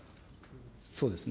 そうですね。